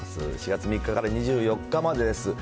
７月３日から２４日までです。